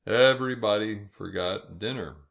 Everybody forgot dinner.